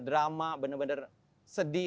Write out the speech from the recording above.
drama benar benar sedih